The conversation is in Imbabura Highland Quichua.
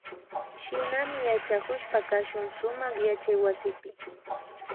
Shinami yachakushpa kashun sumak yachaywasipi